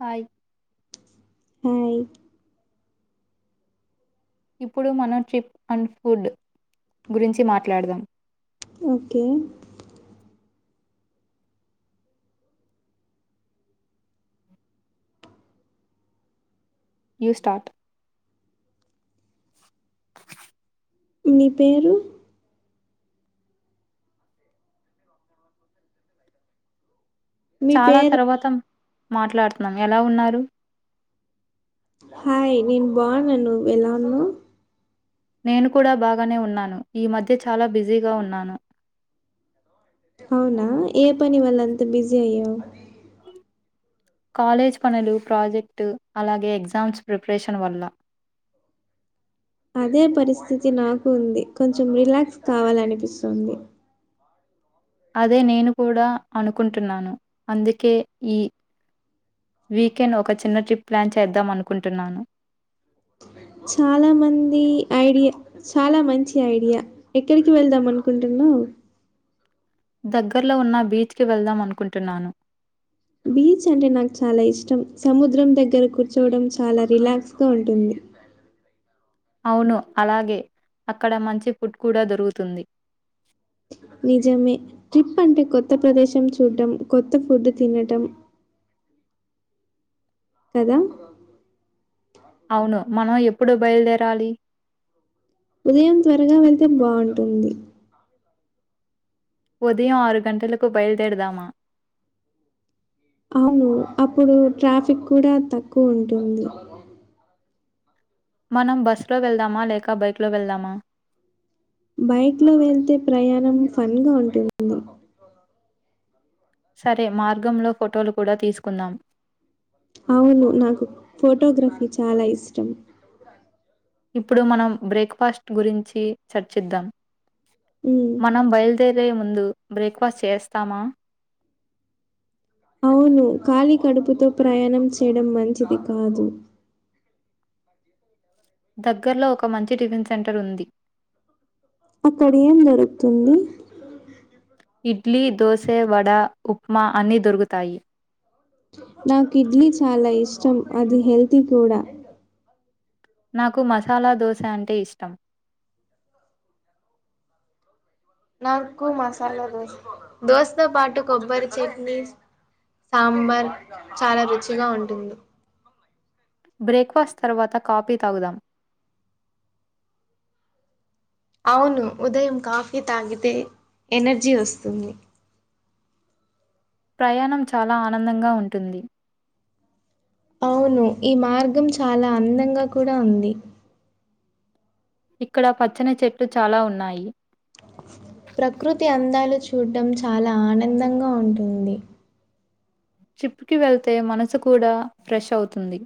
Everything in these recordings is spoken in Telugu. హాయ్ హాయ్ ఇప్పుడు మనం ట్రిప్ అండ్ ఫుడ్ గురించి మాట్లాడదాం ఓకే యువ్ స్టార్ట్ మి పేరూ మీ చాలా పేరు తర్వాతం మాట్లాడుతున్నాం ఎలా ఉన్నారు హాయ్ నేను బావున్న నువ్వెలా ఉన్నావ్ నేను కూడా బాగానే ఉన్నాను ఈ మధ్య చాలా బిజీగా ఉన్నాను అవునా ఏ పని వల్ల అంత బిజీ అయ్యావ్ కాలేజీ పనులు ప్రాజెక్టు అలాగే ఎగ్జామ్స్ ప్రిపరేషన్ వల్ల అదే పరిస్థితి నాకు ఉంది కొంచెం రిలాక్స్ కావాలనిపిస్తుంది అదే నేను కూడా అనుకుంటున్నాను అందుకే ఈ వీకెంన్ ఒక చిన్న ట్రిప్ ప్లాన్ చేద్దాం అనుకుంటున్నాను చాలా మందీ ఐడియా చాలా మంచి ఐడియా ఎక్కడికి వెళ్దాం అనుకుంటున్నావు దగ్గర్లో ఉన్న బీచ్కి వెళ్దాం అనుకుంటున్నాను. బీచ్ అంటే నాకు చాలా ఇష్టం సముద్రం దగ్గర కూర్చోవడం చాలా రిలాక్స్గా ఉంటుంది. అవును అలాగే అక్కడ మంచి ఫుడ్ కూడా దొరుకుతుంది. నిజమే ట్రిప్ అంటే కొత్త ప్రదేశం చూడం కొత్త ఫుడ్ తినటం కదా అవును మనం ఎప్పుడు బయల్దేరాలి ఉదయం త్వరగా వెళ్తే బాగుంటుంది ఉదయం ఆరు గంటలకు బయలుదేరుదమా అవును అప్పుడు ట్రాఫిక్ కూడా తక్కువ ఉంటుంది మనం బస్సులో వెళ్దామా లేక బైక్ లో వెళ్దామా బైక్ లో వెళ్తే ప్రయాణం ఫన్ గా ఉంటుంది సరే మార్గంలో ఫొటోలు కూడా తీసుకుందం అవును నాకు ఫోటోగ్రఫీ చాలా ఇష్టం ఇప్పుడు మనం బ్రేక్ ఫాస్ట్ గురించి చర్చిద్దాం హ్మ్. మనం బయలుదేరే ముందు బ్రేక్ ఫాస్ట్ చేస్తామా అవును ఖళీ కడుపుతో ప్రయాణం చేయడం మంచిది కాదు దగ్గర్లో ఒక మంచి టిఫిన్ సెంటర్ ఉంది అక్కడ ఏం దొరుకుతుంది ఇడ్లీ దోసె వడ ఉప్మా అన్నీ దొరుకుతాయి నాకు ఇడ్లీ చాలా ఇష్టం అది హెల్తీ కూడా నాకు మసాలా దోశ అంటే ఇష్టం నాకు మసాలా దోశ దోశతో పాటు కొబ్బరి చట్నీ సాంబార్ చాలా రుచిగా ఉంటుంది బ్రేక్ఫాస్ట్ తర్వాత కాఫీ తాగుదాం అవును ఉదయం కాఫీ తాగితే ఎనర్జీ వస్తుంది ప్రయాణం చాలా ఆనందంగా ఉంటుంది అవును ఈ మార్గం చాలా అందంగా కూడా ఉంది ఇక్కడ పచ్చని చెట్లు చాలా ఉన్నాయి ప్రకృతి అందాలు చూడటం చాలా ఆనందంగా ఉంటుంది ట్రిప్పుకు వెళ్తే మనసు కూడా ఫ్రెష్ అవుతుంది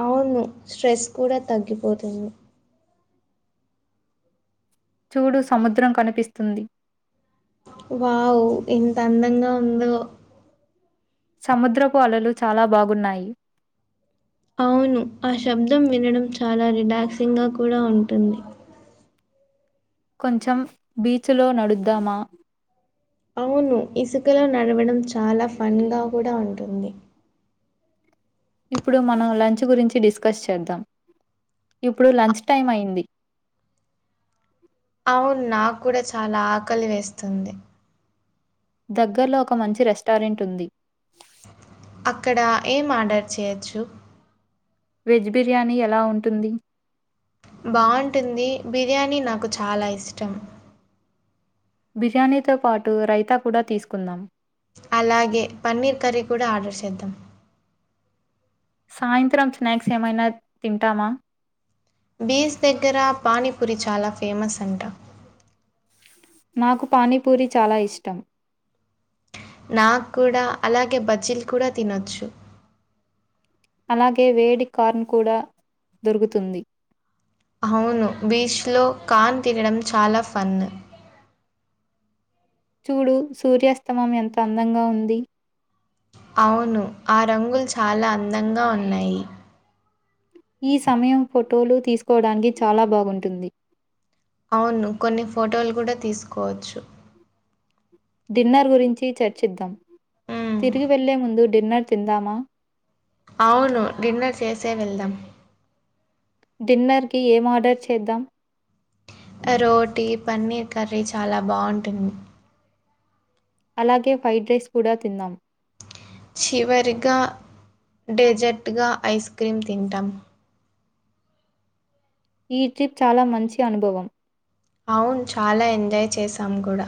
అవును స్ట్రెస్ కూడా తగ్గిపోతుంది చూడు సముద్రం కనిపిస్తుంది వావ్ ఎంత అందంగా ఉందో సముద్రపు అలలు చాలా బాగున్నాయి అవును ఆ శబ్దం వినడం చాలా రిలాక్సింగ్ గా కూడా ఉంటుంది కొంచెం బీచులో నడుద్దామా అవును ఇసుకలో నడవడం చాలా ఫన్ గా కూడా ఉంటుంది ఇప్పుడు మనం లంచ్ గురించి డిస్కస్ చేద్దాం ఇప్పుడు లంచ్ టైం అయింది అవును నా కూడా చాలా ఆకలి వేస్తుంది దగ్గర్లో ఒక మంచి రెస్టారెంట్ ఉంది అక్కడ ఏం ఆర్డర్ చేయొచ్చు వెజ్ బిర్యానీ ఎలా ఉంటుంది బాగుంటుంది బిర్యానీ నాకు చాలా ఇష్టం బిర్యానీతో పాటు రైతా కూడా తీసుకుందాం అలాగే పన్నీర్ కర్రీ కూడా ఆర్డర్ చేద్దాం సాయంత్రం స్నాక్స్ ఏమైనా తింటామా పూరి చాలా ఫేమస్ అంట నాకు పానీపూరి చాలా ఇష్టం నాక్ కూడా అలాగే బజ్జీలు కూడా తినొచ్చు అలాగే వేడి కార్న్ కూడా దొరుకుతుంది అవును బీచ్లో కాన్ తినడం చాలా ఫన్ చూడు సూర్యాస్తమం ఎంత అందంగా ఉంది అవును ఆ రంగులు చాలా అందంగా ఉన్నాయి ఈ సమయం ఫోటోలు తీసుకోవడానికి చాలా బాగుంటుంది అవును కొన్ని ఫోటోలు కూడా తీసుకోవచ్చు డిన్నర్ గురించి చర్చిద్దాం మ్మ్. తిరిగి వెళ్లే ముందు డిన్నర్ తిందమా అవును డిన్నర్ చేసే వెళ్దాం డిన్నర్ కి ఏం ఆర్డర్ చేద్దాం ఆ రోటీ పన్నీర్ కర్రీ చాలా బాగుంటుంది అలాగే ఫ్రైడ్ రైస్ కూడా తిన్నాం చివరిగా డెజర్ట్గా ఐస్ క్రీమ్ తింటాం ఈ ట్రిప్ చాలా మంచి అనుభవం అవును చాలా ఎంజాయ్ చేసాం కూడా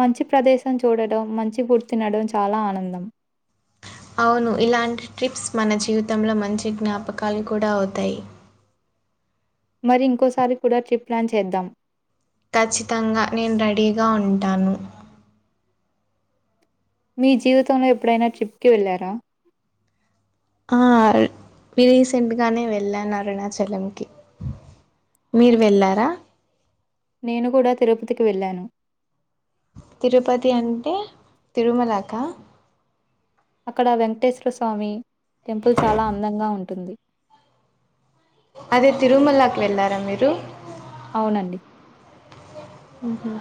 మంచి ప్రదేశం చూడటం మంచి ఫుడ్ తినడం చాలా ఆనందం అవును ఇలాంటి ట్రిప్స్ మన జీవితంలో మంచి జ్ఞాపకాలు కూడా అవుతాయి మరి ఇంకోసారి కూడా ట్రిప్ ప్లాన్ చేద్దాం ఖచ్చితంగా నేను రెడీగా ఉంటాను మీ జీవితంలో ఎప్పుడైనా ట్రిప్కి వెళ్ళారా ఆ రీసెంట్గానే వెళ్ళాను అరుణాచలం కి మీరు వెళ్ళారా నేను కూడా తిరుపతికి వెళ్ళాను తిరుపతి అంటే తిరుమలకా అక్కడ వెంకటేశ్వర స్వామి టెంపుల్ చాలా అందంగా ఉంటుంది అదే తిరుమలకి వెళ్ళారా మీరు అవునండి హ్మ్ హు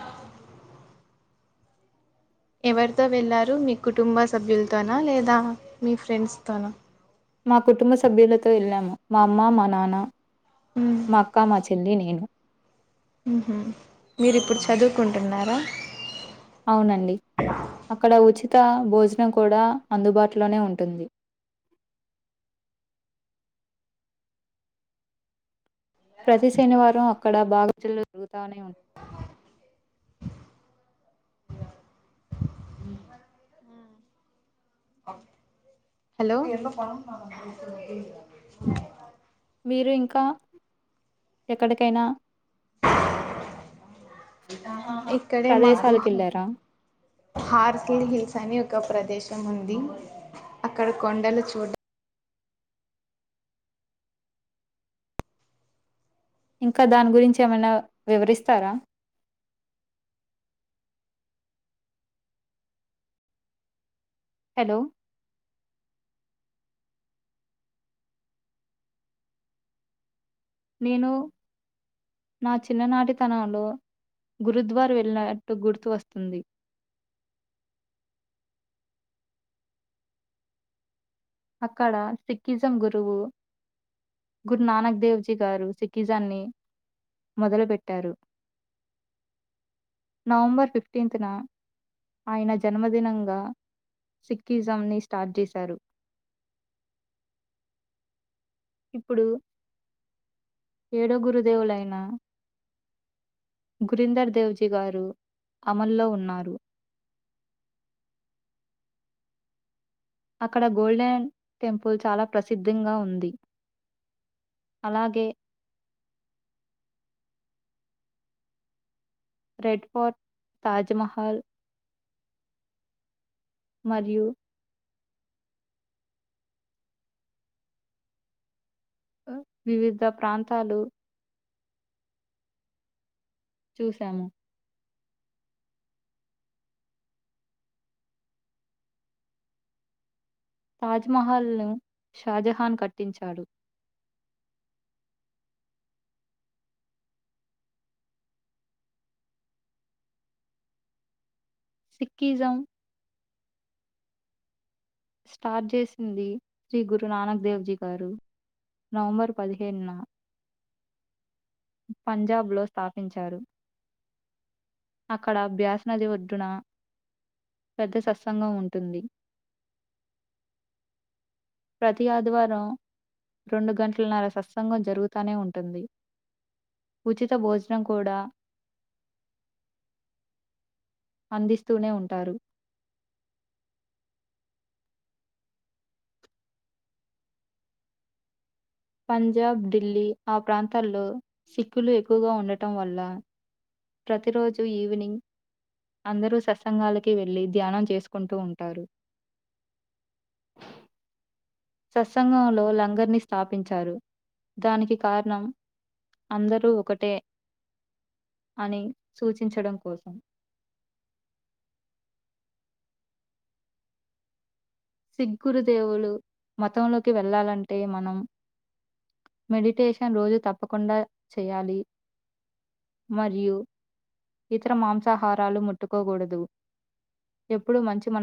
ఎవరితో వెళ్ళారు మీ కుటుంబ సభ్యులతోనా లేదా మీ ఫ్రెండ్స్తోనా మా కుటుంబ సభ్యులతో వెళ్ళాము మా అమ్మ మా నాన్న మ్మ్. మాక్క మ చే చెల్లి నేను మ్ హు మీరిప్పుడు చదువుకుంటున్నారా అవునండి అక్కడ ఉచిత భోజనం కూడా అందుబాటులోనే ఉంటుంది. ప్రతి శనివారం అక్కడ బాగజల్ జరుగు తా ఉంట హలో మీరు ఇంకా ఎక్కడికైనా ప్రదేశాలకి వెళ్ళారా హార్సల్ హిల్స్ అని ఒక ప్రదేశం ఉంది అక్కడ కొండలు చూడ ఇంకా దాని గురించి ఏమైనా వివరిస్తారా హలో నేను నా చిన్ననాటితనంలో గురుద్వార్ వెళ్ళినట్టు గుర్తు వస్తుంది. అక్కడ సిక్కిజం గురువు గురు నానక్ దేవ్జీ గారు సికిిజాన్ని మొదలు పెట్టారు. నవంబర్ ఫిఫ్టీన్త్ న ఆయన జన్మదినంగా సిక్కి జం ని స్టార్ట్ జేశారు ఇప్పుడు ఏడో గురుదేవులైన గురీందర్ దేవ్జీ గారు అమల్లో ఉన్నారు. అక్కడ గోల్డెన్ టెంపుల్ చాలా ప్రసిద్ధంగా ఉంది. అలాగే రెడ్ ఫోర్ట్ తాజ్మహల్ మరియు వివిధ ప్రాంతాలు చూసాము. తాజ్మహల్ ను షాజహాన్ కట్టించాడు. సిక్కిజం స్టార్ట్ చేసింది శ్రీ గురునానక్ దేవ్జీ గారు నవంబర్ పదిహేడున పంజాబ్ లో స్థాపించారు అక్కడ బ్యాస్ నది ఒడ్డున పెద్ద సత్సంగం ఉంటుంది. ప్రతి ఆదివారం రెండు గంటలన్నర సత్సంగం జరుగుతనే ఉంటుంది. ఉచిత భోజనం కూడా అందిస్తూనే ఉంటారు. పంజాబ్ ఢిల్లీ ఆ ప్రాంతాల్లో సిక్కులు ఎక్కువగా ఉండటం వల్ల ప్రతిరోజు ఈవినింగ్ అందరూ సత్సంగాలకి వెళ్లి ధ్యానం చేసుకుంటూ ఉంటారు. సత్సంగంలో లంగర్ ని స్థాపించారు. దానికి కారణం అందరూ ఒకటే అని సూచించడం కోసం సిక్కృదేవులు మతంలోకి వెళ్లాలంటే మనం మెడిటేషన్ రోజు తప్పకుండా చేయాలి. మరియు ఇతర మాంసాహారాలు ముట్టుకోకూడదు. ఎప్పుడు మంచి మన